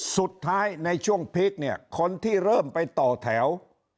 สุดท้ายในช่วงพีคเนี่ยคนที่เริ่มไปต่อแถว